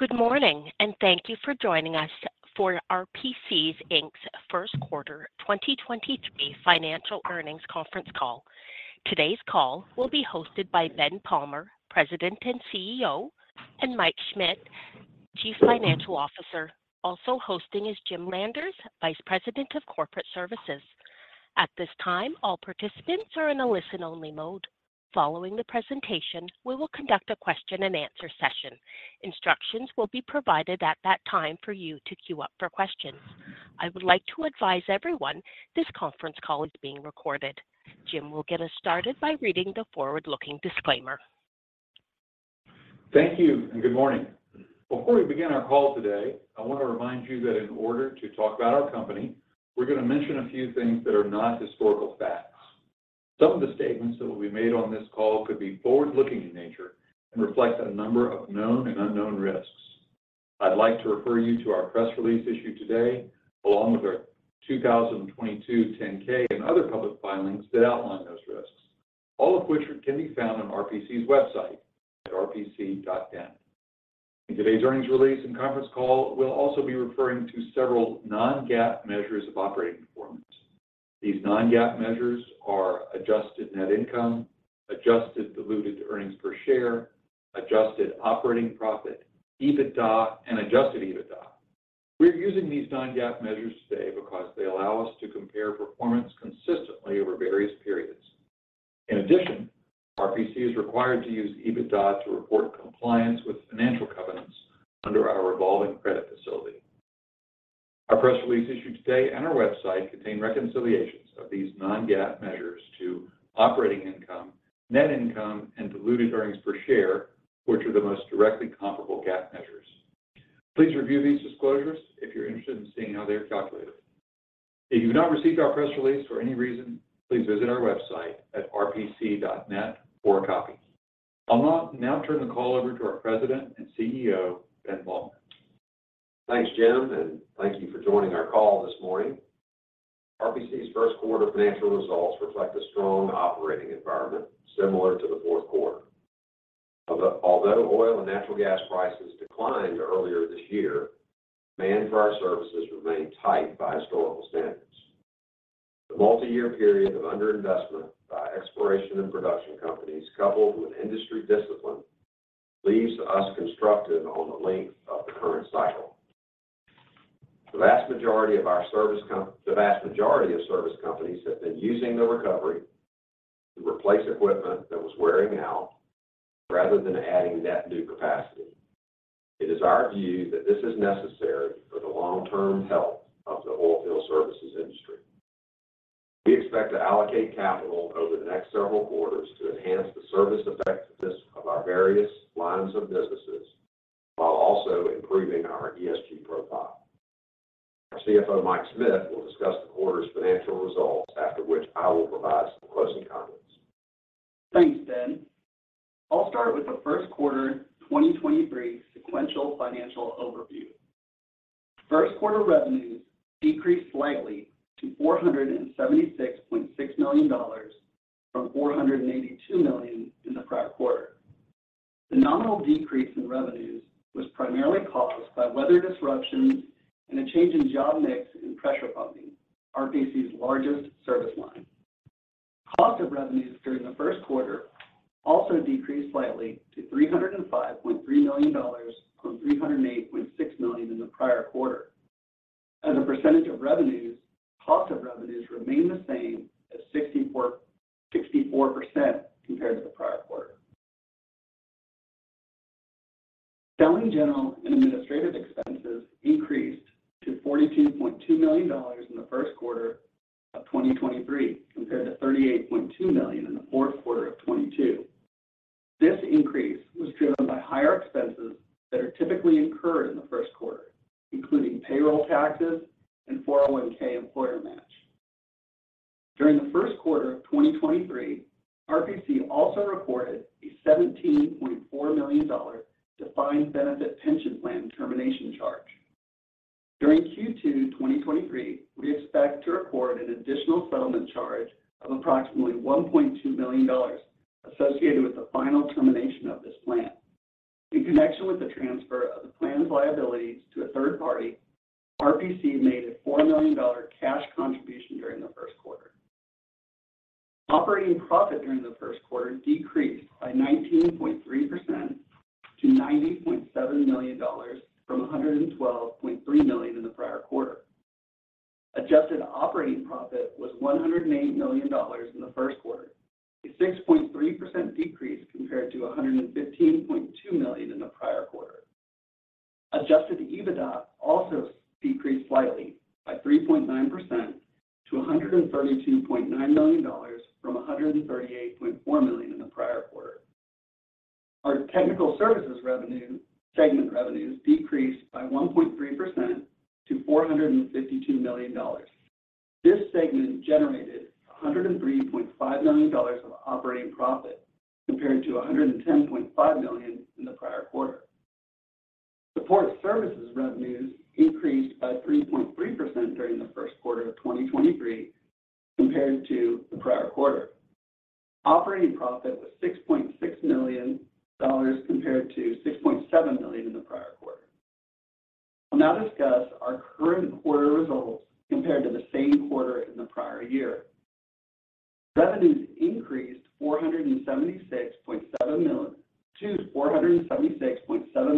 Good morning, and thank you for joining us for RPC, Inc.'s first quarter 2023 financial earnings conference call. Today's call will be hosted by Ben Palmer, President and CEO, and Mike Schmit, Chief Financial Officer. Also hosting is Jim Landers, Vice President of Corporate Services. At this time, all participants are in a listen-only mode. Following the presentation, we will conduct a question-and-answer session. Instructions will be provided at that time for you to queue up for questions. I would like to advise everyone this conference call is being recorded. Jim will get us started by reading the forward-looking disclaimer. Thank you and good morning. Before we begin our call today, I want to remind you that in order to talk about our company, we're going to mention a few things that are not historical facts. Some of the statements that will be made on this call could be forward-looking in nature and reflect a number of known and unknown risks. I'd like to refer you to our press release issued today, along with our 2022 10-K and other public filings that outline those risks, all of which can be found on RPC's website at rpc.net. In today's earnings release and conference call, we'll also be referring to several non-GAAP measures of operating performance. These non-GAAP measures are adjusted net income, adjusted diluted earnings per share, adjusted operating profit, EBITDA and adjusted EBITDA. We're using these non-GAAP measures today because they allow us to compare performance consistently over various periods. RPC is required to use EBITDA to report compliance with financial covenants under our revolving credit facility. Our press release issued today and our website contain reconciliations of these non-GAAP measures to operating income, net income and diluted earnings per share, which are the most directly comparable GAAP measures. Please review these disclosures if you're interested in seeing how they're calculated. If you've not received our press release for any reason, please visit our website at rpc.net for a copy. I'll now turn the call over to our President and CEO, Ben Palmer. Thanks, Jim, and thank you for joining our call this morning. RPC's first quarter financial results reflect a strong operating environment similar to the fourth quarter. Although oil and natural gas prices declined earlier this year, demand for our services remained tight by historical standards. The multi-year period of underinvestment by exploration and production companies, coupled with industry discipline, leaves us constructive on the length of the current cycle. The vast majority of service companies have been using the recovery to replace equipment that was wearing out rather than adding net new capacity. It is our view that this is necessary for the long-term health of the oilfield services industry. We expect to allocate capital over the next several quarters to enhance the service effectiveness of our various lines of businesses while also improving our ESG profile. Our CFO, Mike Schmit, will discuss the quarter's financial results, after which I will provide some closing comments. Thanks, Ben. I'll start with the first quarter 2023 sequential financial overview. First quarter revenues decreased slightly to $476.6 million from $482 million in the prior quarter. The nominal decrease in revenues was primarily caused by weather disruptions and a change in job mix in pressure pumping, RPC's largest service line. Cost of revenues during the first quarter also decreased slightly to $305.3 million from $308.6 million in the prior quarter. As a percentage of revenues, cost of revenues remained the same as 64% compared to the prior quarter. Selling, general and administrative expenses increased to $42.2 million in the first quarter of 2023, compared to $38.2 million in the fourth quarter of 2022. This increase was driven by higher expenses that are typically incurred in the first quarter, including payroll taxes and 401(k) employer match. During the first quarter of 2023, RPC also recorded a $17.4 million defined benefit pension plan termination charge. During Q2 2023, we expect to record an additional settlement charge of approximately $1.2 million associated with the final termination of this plan. In connection with the transfer of the plan's liabilities to a third party, RPC made a $4 million cash contribution during the first quarter. Operating profit during the first quarter decreased by 19.3% to $90.7 million from $112.3 million in the prior quarter. adjusted operating profit was $108 million in the first quarter, a 6.3% decrease compared to $115.2 million in the prior quarter. adjusted EBITDA also decreased slightly by 3.9% to $132.9 million from $138.4 million in the prior quarter. Our Technical Services segment revenues decreased by 1.3% to $452 million. This segment generated $103.5 million of operating profit, comparing to $110.5 million in the prior quarter. Support Services revenues increased by 3.3% during the first quarter of 2023 compared to the prior quarter. Operating profit was $6.6 million compared to $6.7 million in the prior quarter. I'll now discuss our current quarter results compared to the same quarter in the prior year. Revenues increased to $476.7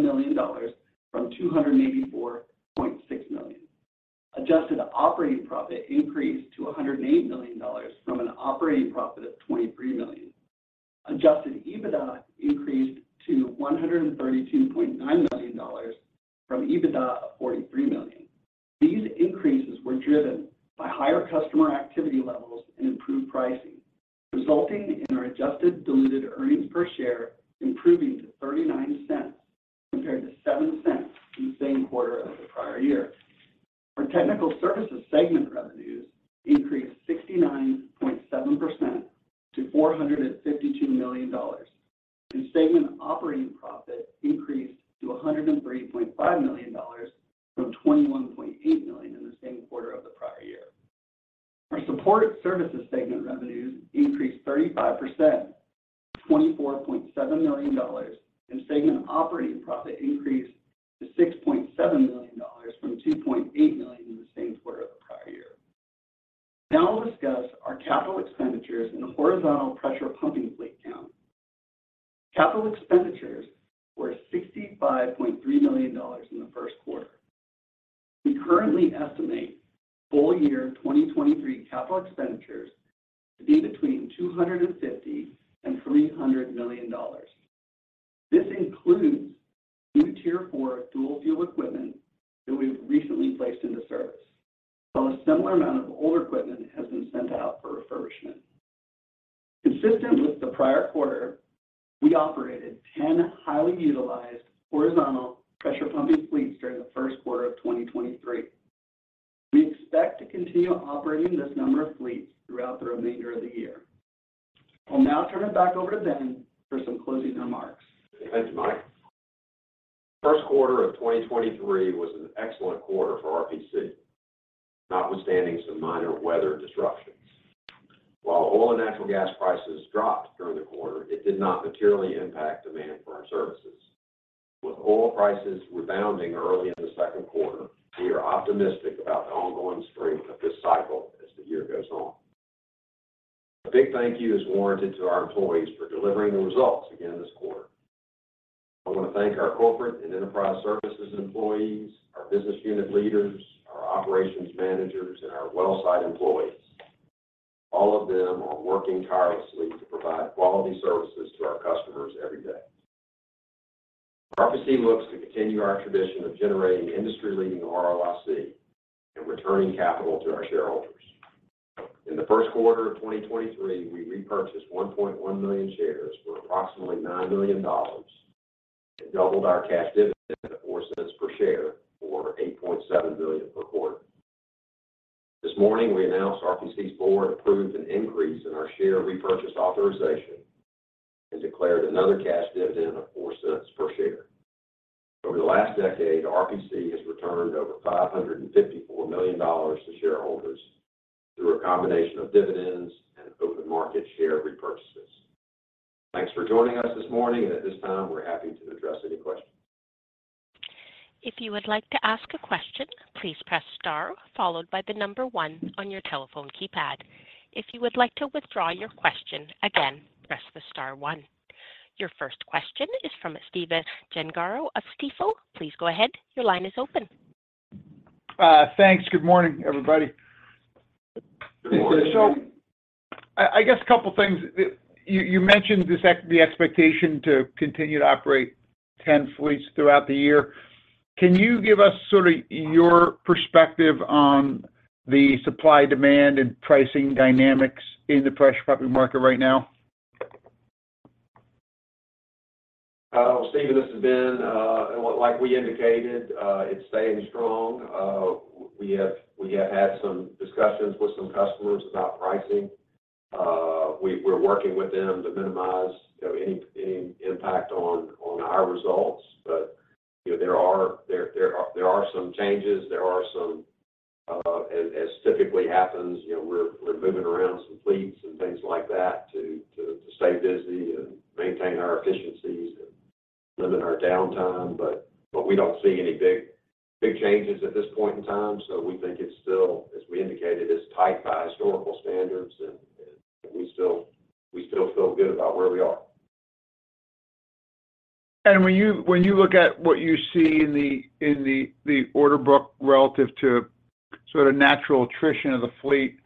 million from $284.6 million. Adjusted operating profit increased to $108 million from an operating profit of $23 million. Adjusted EBITDA increased to $132.9 million from EBITDA of $43 million. These increases were driven by higher customer activity levels and improved pricing, resulting in our adjusted diluted earnings per share improving to $0.39 compared to $0.07 in the same quarter of the prior year. Our Technical Services segment revenues increased 69.7% to $452 million, and segment operating profit increased to $103.5 million from $21.8 million in the same quarter of the prior year. Our Support Services segment revenues increased 35% to $24.7 million, and segment operating profit increased to $6.7 million from $2.8 million in the same quarter of the prior year. I'll discuss our capital expenditures in the horizontal pressure pumping fleet count. Capital expenditures were $65.3 million in the first quarter. We currently estimate full year 2023 capital expenditures to be between $250 million and $300 million. This includes new Tier 4 dual-fuel equipment that we've recently placed into service, while a similar amount of older equipment has been sent out for refurbishment. Consistent with the prior quarter, we operated 10 highly utilized horizontal pressure pumping fleets during the first quarter of 2023. We expect to continue operating this number of fleets throughout the remainder of the year. I'll now turn it back over to Ben for some closing remarks. Thanks, Mike. First quarter of 2023 was an excellent quarter for RPC, notwithstanding some minor weather disruptions. While oil and natural gas prices dropped during the quarter, it did not materially impact demand for our services. With oil prices rebounding early in the second quarter, we are optimistic about the ongoing strength of this cycle as the year goes on. A big thank you is warranted to our employees for delivering the results again this quarter. I want to thank our corporate and enterprise services employees, our business unit leaders, our operations managers, and our well site employees. All of them are working tirelessly to provide quality services to our customers every day. RPC looks to continue our tradition of generating industry-leading ROIC and returning capital to our shareholders. In the first quarter of 2023, we repurchased 1.1 million shares for approximately $9 million and doubled our cash dividend of $0.04 per share, or $8.7 million per quarter. This morning we announced RPC's board approved an increase in our share repurchase authorization and declared another cash dividend of $0.04 per share. Over the last decade, RPC has returned over $554 million to shareholders through a combination of dividends and open market share repurchases. Thanks for joining us this morning, and at this time, we're happy to address any questions. If you would like to ask a question, please press * followed by the 1 on your telephone keypad. If you would like to withdraw your question, again, press the * one. Your first question is from Stephen Gengaro of Stifel. Please go ahead. Your line is open. Thanks. Good morning, everybody. Good morning. I guess a couple things. You mentioned this, the expectation to continue to operate 10 fleets throughout the year. Can you give us sort of your perspective on the supply, demand, and pricing dynamics in the pressure pumping market right now? Stephen, this has been, like we indicated, it's staying strong. We have had some discussions with some customers about pricing. We're working with them to minimize, you know, any impact on our results. You know, there are some changes. There are some, as typically happens, you know, we're moving around some fleets and things like that to stay busy and maintain our efficiencies and limit our downtime. We don't see any big changes at this point in time. We think it's still, as we indicated, it's tight by historical standards, and we still feel good about where we are. When you look at what you see in the order book relative to sort of natural attrition of the fleet,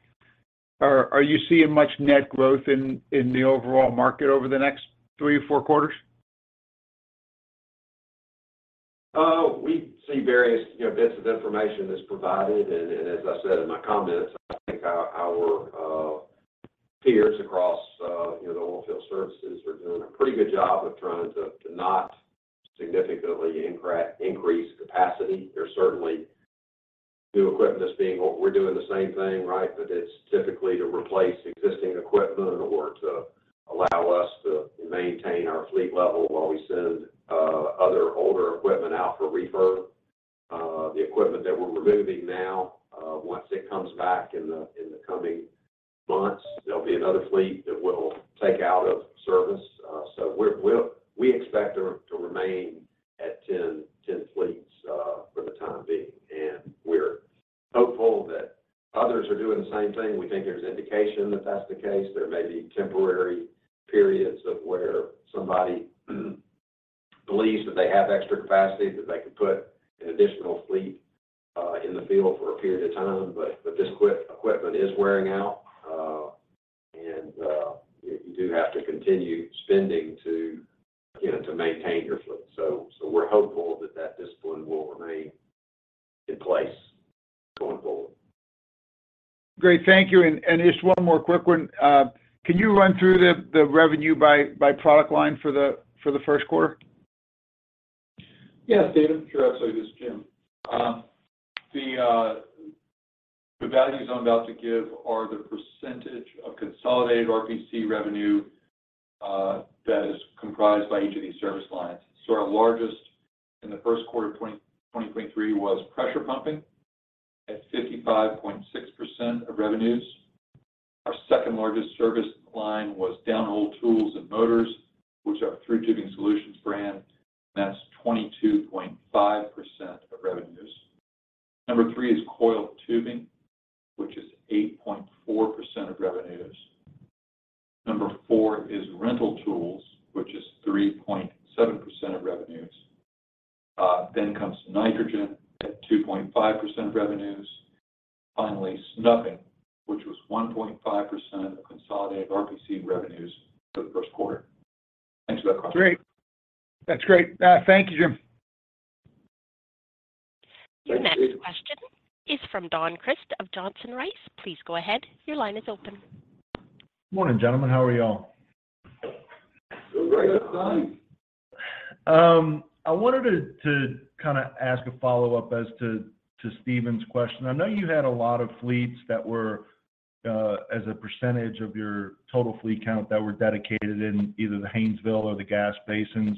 are you seeing much net growth in the overall market over the next three or four quarters? We see various, you know, bits of information that's provided. As I said in my comments, I think our peers across, you know, the oilfield services are doing a pretty good job of trying to not significantly increase capacity. There's certainly new equipment. We're doing the same thing, right, but it's typically to replace existing equipment or to allow us to maintain our fleet level while we send other older equipment out for refurb. The equipment that we're removing now, once it comes back in the coming months, there'll be another fleet that we'll take out of service. So we expect to remain at 10 fleets for the time being, and we're hopeful that others are doing the same thing. We think there's indication that that's the case. There may be temporary periods of where somebody believes that they have extra capacity, that they can put an additional fleet in the field for a period of time. This equipment is wearing out, and you do have to continue spending to, you know, to maintain your fleet. We're hopeful that that discipline will remain in place going forward. Great. Thank you. Just one more quick one. Can you run through the revenue by product line for the first quarter? Yes, David. Sure. Sorry, this is Jim. The values I'm about to give are the percentage of consolidated RPC revenue that is comprised by each of these service lines. Our largest in the first quarter of 2023 was pressure pumping at 55.6% of revenues. Our second-largest service line was downhole tools and motors, which are Thru Tubing Solutions brand, and that's 22.5% of revenues. Number three is coiled tubing, which is 8.4% of revenues. Number four is rental tools, which is 3.7% of revenues. Comes nitrogen at 2.5% of revenues. Finally, snubbing, which was 1.5% of consolidated RPC revenues for the first quarter. Thanks for that question. Great. That's great. Thank you, Jim. Thank you, David. Your next question is from Don Crist of Johnson Rice. Please go ahead. Your line is open. Morning, gentlemen. How are y'all? Doing great. Good. Don. I wanted to kinda ask a follow-up as to Stephen's question. I know you had a lot of fleets that were, as a percentage of your total fleet count that were dedicated in either the Haynesville or the gas basins.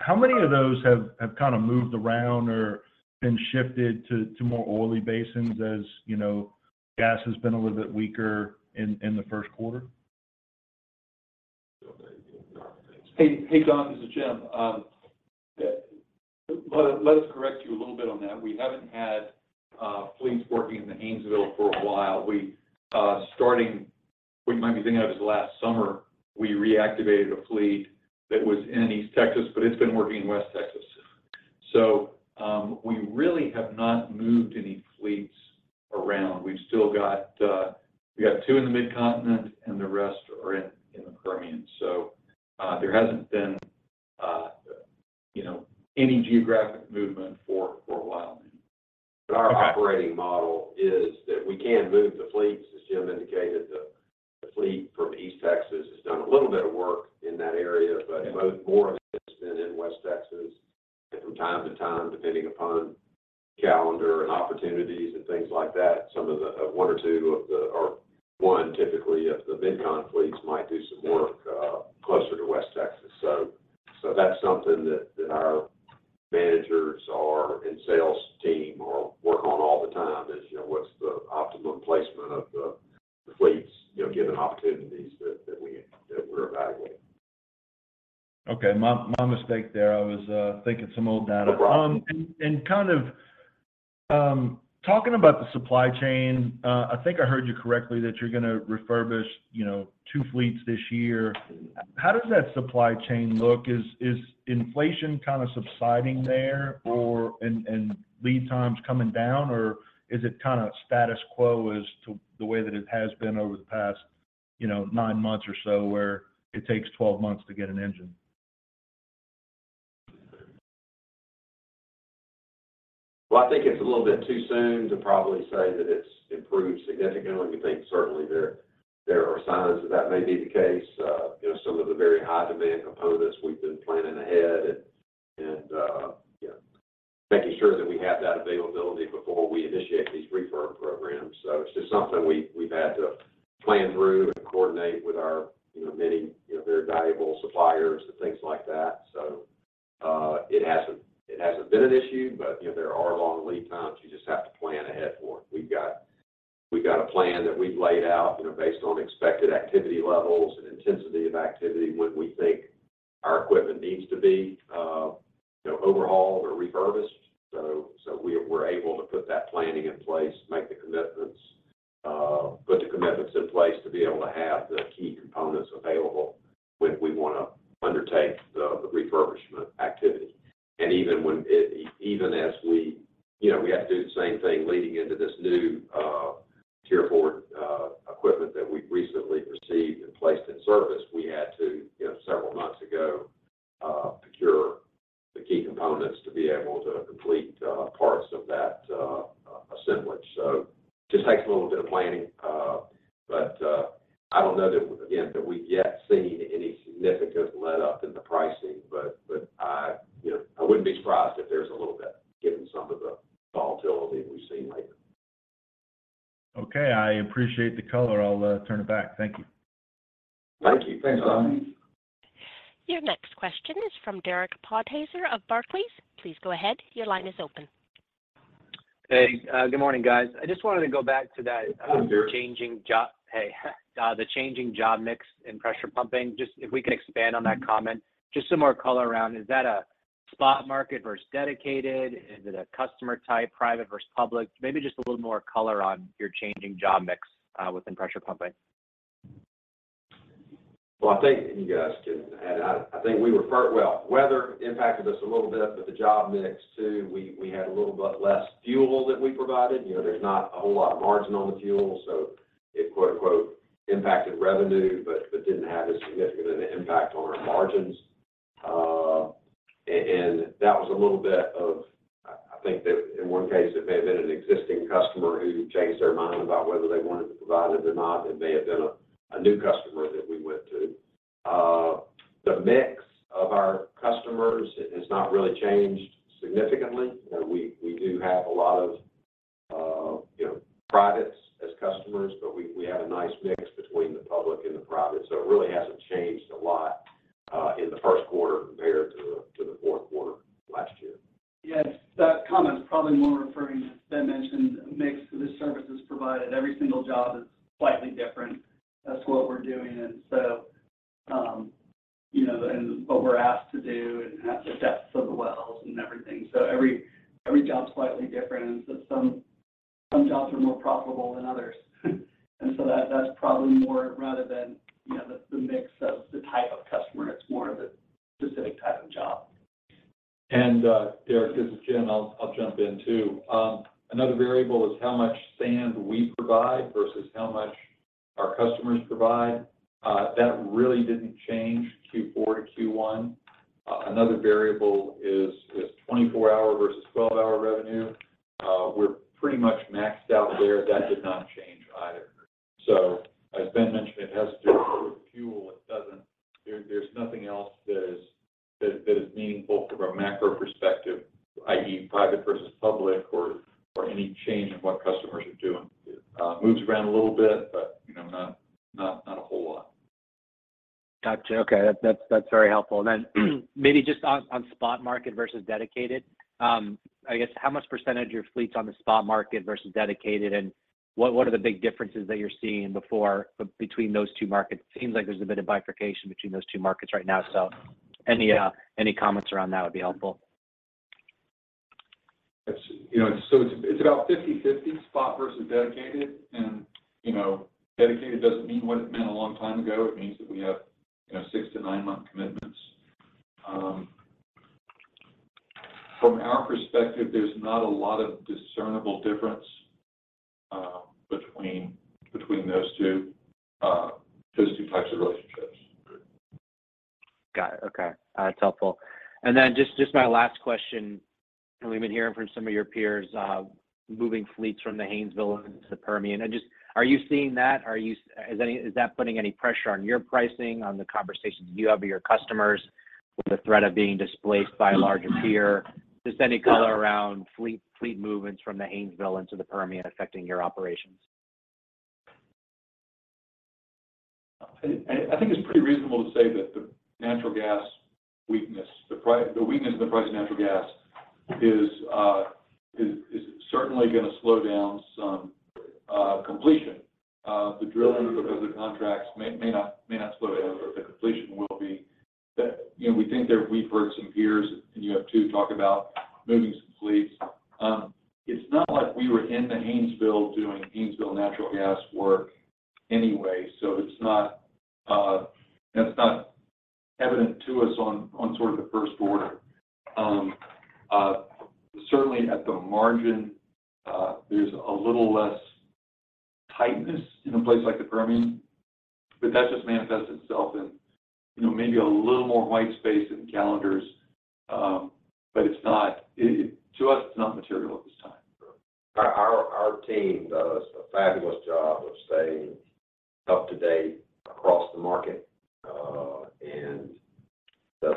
How many of those have kinda moved around or been shifted to more oily basins as, you know, gas has been a little bit weaker in the first quarter? Hey, hey, Don, this is Jim. Let us correct you a little bit on that. We haven't had fleets working in the Haynesville for a while. What you might be thinking of is last summer, we reactivated a fleet that was in East Texas, but it's been working in West Texas. We really have not moved any fleets around. We've still got, we got two in the Mid-Continent, and the rest are in the Permian. There hasn't been, you know, any geographic movement for a while now. Okay. Our operating model is that we can move the fleets. As Jim indicated, the fleet from East Texas has done a little bit of work in that area. Yeah. More of it's been in West Texas. From time to time, depending upon calendar and opportunities and things like that, one or two of the... or one, typically, of the Mid-Con fleets might do some work closer to West Texas. That's something that our managers are and sales team work on all the time is, you know, what's the optimum placement of the fleets, you know, given opportunities that we're evaluating. Okay. My, my mistake there. I was thinking some old data. kind of talking about the supply chain, I think I heard you correctly that you're gonna refurbish, you know, 2 fleets this year. How does that supply chain look? Is inflation kinda subsiding there or lead times coming down? Is it kinda status quo as to the way that it has been over the past, you know, 9 months or so, where it takes 12 months to get an engine? Well, I think it's a little bit too soon to probably say that it's improved significantly. We think certainly there are signs that that may be the case. You know, some of the very high demand components we've been planning ahead and, you know, making sure that we have that availability before we initiate these refurb programs. It's just something we've had to plan through and coordinate with our, you know, many, very valuable suppliers and things like that. It hasn't been an issue, but, you know, there are long lead times you just have to plan ahead for. We've got a plan that we've laid out, you know, based on expected activity levels and intensity of activity when we think our equipment needs to be, you know, overhauled or refurbished. We're able to put that planning in place, make the commitments, put the commitments in place to be able to have the key components available when we wanna undertake the refurbishment activity. Even as we, you know, we had to do the same thing leading into this new Tier is that a spot market versus dedicated? Is it a customer type, private versus public? Maybe just a little more color on your changing job mix within pressure pumping. Well, I think you guys and I think we. Well, weather impacted us a little bit, but the job mix too. We had a little bit less fuel that we provided. You know, there's not a whole lot of margin on the fuel, so it, quote-unquote, "impacted revenue," but didn't have as significant an impact on our margins. That was a little bit of, I think that in one case it may have been an existing customer who changed their mind about whether they wanted to provide it or not. It may have been a new customer that we went to. The mix of our customers has not really changed significantly. You know, we do have a lot of, you know, privates as customers, but we have a nice mix between the public and the private. It really hasn't changed a lot, in the first quarter compared to the fourth quarter last year. Yes. That comment is probably more referring, as Ben mentioned, a mix of the services provided. Every single job is slightly different. That's what we're doing. You know, and what we're asked to do and the depths of the wells and everything. Every job's slightly different. Some jobs are more profitable than others. That's probably more rather than, you know, the mix of the type of customer. It's more of a specific type of job. Derek, this is Jim. I'll jump in too. Another variable is how much sand we provide versus how much our customers provide. That really didn't change Q4 to Q1. Another variable is 24 hour versus 12 hour revenue. We're pretty much maxed out there. That did not change either. As Ben mentioned, it has to do with fuel. There's nothing else that is meaningful from a macro perspective, i.e., private versus public or any change in what customers are doing. It moves around a little bit, but, you know, not a whole lot. Gotcha. Okay. That's very helpful. Then maybe just on spot market versus dedicated. I guess how much percentage of your fleet's on the spot market versus dedicated, and what are the big differences that you're seeing between those two markets? It seems like there's a bit of bifurcation between those two markets right now. Any comments around that would be helpful. It's, you know, so it's about 50/50 spot versus dedicated. You know, dedicated doesn't mean what it meant a long time ago. It means that we have, you know, six to nine-month commitments. From our perspective, there's not a lot of discernible difference between those two, those two types of relationships. Got it. Okay. That's helpful. Then just my last question. We've been hearing from some of your peers, moving fleets from the Haynesville into the Permian. Just, are you seeing that? Is that putting any pressure on your pricing, on the conversations you have with your customers with the threat of being displaced by a larger peer? Just any color around fleet movements from the Haynesville into the Permian affecting your operations. I think it's pretty reasonable to say that the natural gas weakness, the weakness in the price of natural gas is certainly gonna slow down some completion. The drilling because of the contracts may not slow down, but the completion will be. You know, we think that we've heard some peers, and you have too, talk about moving some fleets. It's not like we were in the Haynesville doing Haynesville natural gas work anyway, so it's not evident to us on sort of the first order. Certainly at the margin, there's a little less tightness in a place like the Permian, that just manifests itself in, you know, maybe a little more white space in calendars. To us, it's not material at this time. Our team does a fabulous job of staying up to date across the market and does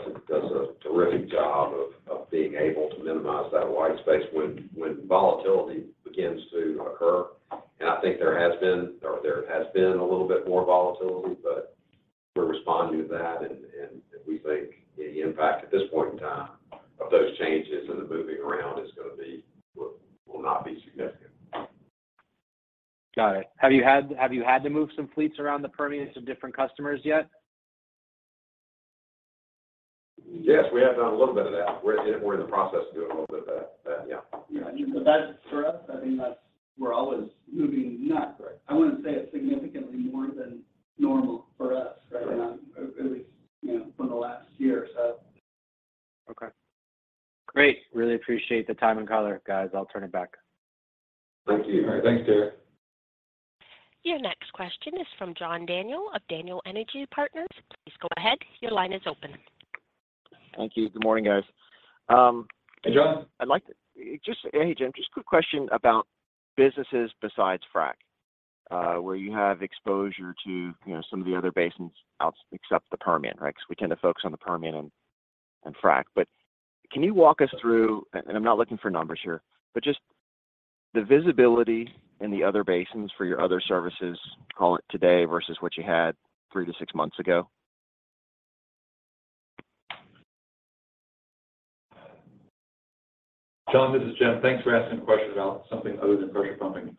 a terrific job of being able to minimize that white space when volatility begins to occur. I think there has been, or there has been a little bit more volatility, we're responding to that and we think the impact at this point in time of those changes and the moving around will not be significant. Got it. Have you had to move some fleets around the Permian to different customers yet? Yes, we have done a little bit of that. We're in the process of doing a little bit of that. Yeah. Yeah. I mean, We're always moving. Right I wouldn't say it's significantly more than normal for us right now. Right at least, you know, for the last year or so. Okay. Great. Really appreciate the time and color, guys. I'll turn it back. Thank you. All right. Thanks, Derek. Your next question is from John Daniel of Daniel Energy Partners. Please go ahead. Your line is open. Thank you. Good morning, guys. Hey, John. I'd like to. Hey, Jim. Just a quick question about businesses besides frac, where you have exposure to, you know, some of the other basins except the Permian, right? Because we tend to focus on the Permian and... Frack. Can you walk us through, and I'm not looking for numbers here, but just the visibility in the other basins for your other services, call it today versus what you had three to six months ago. John, this is Jim. Thanks for asking a question about something other than pressure pumping.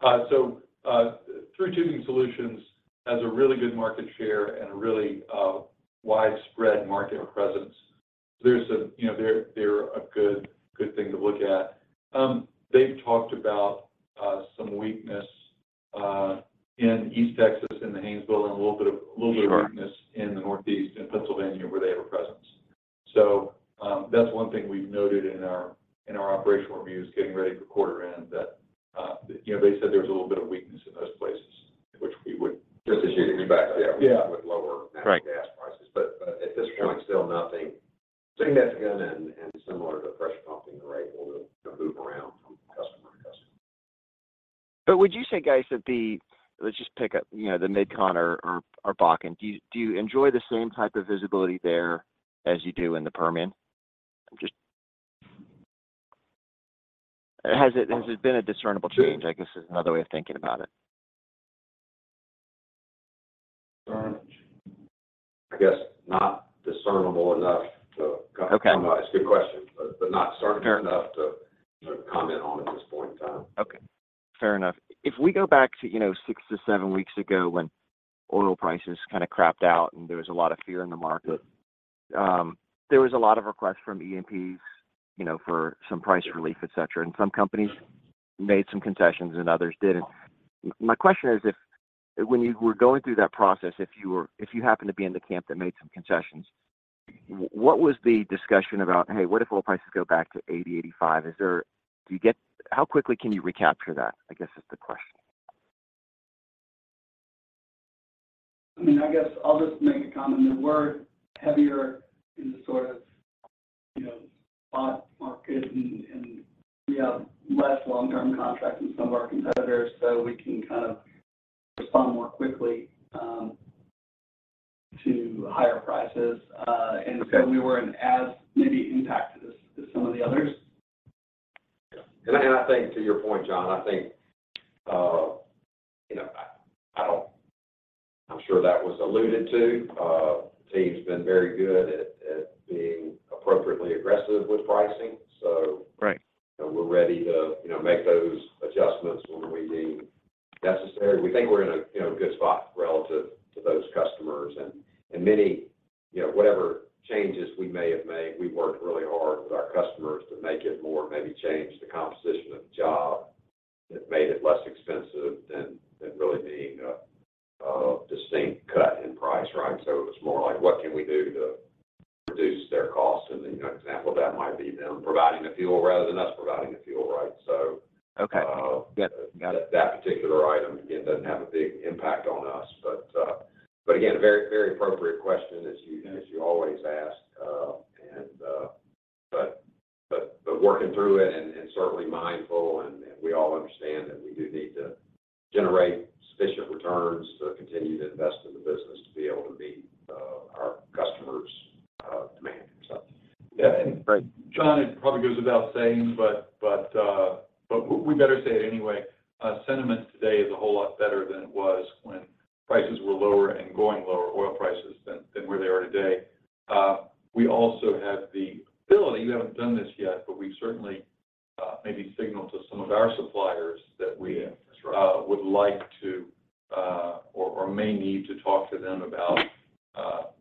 Thru Tubing Solutions has a really good market share and a really widespread market presence. There's a, you know, they're a good thing to look at. They've talked about some weakness in East Texas in the Haynesville and a little bit of. Sure... weakness in the Northeast and Pennsylvania, where they have a presence. That's one thing we've noted in our, in our operational reviews getting ready for quarter end that, you know, they said there was a little bit of weakness in those places, which we would anticipate. Just as you'd expect. Yeah. With lower natural gas prices. Right. At this point, still nothing significant and similar to pressure pumping, we're able to move around from customer to customer. Would you say guys? Let's just pick up, you know, the MidCon or Bakken. Do you enjoy the same type of visibility there as you do in the Permian? Has it been a discernible change, I guess is another way of thinking about it? I guess not discernible enough to comment. Okay. It's a good question, but not discernible enough. Fair... to comment on at this point in time. Okay. Fair enough. If we go back to, you know, six to seven weeks ago when oil prices kinda crapped out, there was a lot of fear in the market. There was a lot of requests from E&Ps, you know, for some price relief, et cetera, some companies made some concessions and others didn't. My question is if when you were going through that process, if you happened to be in the camp that made some concessions, what was the discussion about, "Hey, what if oil prices go back to $80-$85?" How quickly can you recapture that, I guess is the question. I mean, I guess I'll just make a comment that we're heavier in the sort of, you know, spot market and we have less long-term contracts than some of our competitors, so we can kind of respond more quickly, to higher prices. We weren't as maybe impacted as some of the others. Yeah. I think to your point, John, I think, you know, I'm sure that was alluded to. The team's been very good at being appropriately aggressive with pricing. Right... you know, we're ready to, you know, make those adjustments when we deem necessary. We think we're in a, you know, good spot relative to those customers. Many, you know, whatever changes we may have made, we worked really hard with our customers to make it that. Yeah. That's right.... would like to, or may need to talk to them about.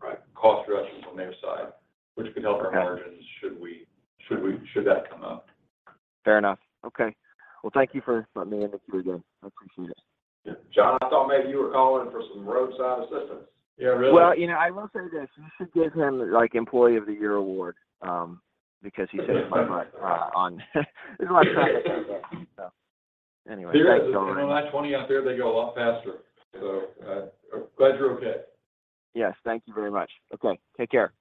Right... cost reductions on their side, which could help our margins should we, should that come up. Fair enough. Okay. Well, thank you for letting me in with you again. I appreciate it. John, I thought maybe you were calling for some roadside assistance. Yeah. Really. Well, you know, I will say this. You should give him like employee of the year award, because he saves my butt. There's a lot of times. Anyway, thanks so much. You're on that 20 out there, they go a lot faster. Glad you're okay. Yes. Thank you very much. Okay. Take care.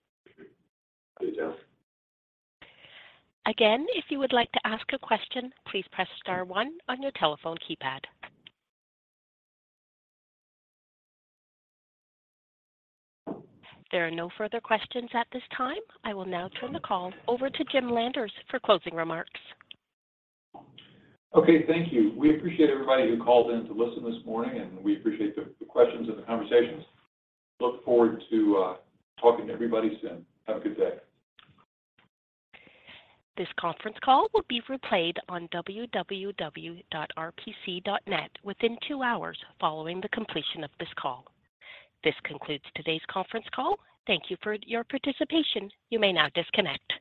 See you, John. Again, if you would like to ask a question, please press * one on your telephone keypad. There are no further questions at this time. I will now turn the call over to Jim Landers for closing remarks. Okay. Thank you. We appreciate everybody who called in to listen this morning. We appreciate the questions and the conversations. Look forward to talking to everybody soon. Have a good day. This conference call will be replayed on www.rpc.net within 2 hours following the completion of this call. This concludes today's conference call. Thank you for your participation. You may now disconnect.